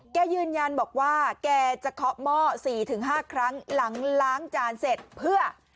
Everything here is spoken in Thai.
แกยืนยันบอกว่าแกจะเคาะหม้อ๔๕ครั้งหลังล้างจานเสร็จเพื่อ